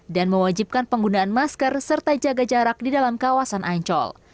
dan mewajibkan penggunaan masker serta jaga jarak di dalam kawasan ancol